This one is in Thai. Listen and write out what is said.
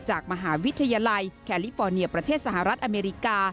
จากมหาวิทยาลัยแคลิฟอร์เนียประเทศสหรัฐอเมริกา